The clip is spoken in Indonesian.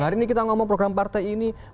hari ini kita ngomong program partai ini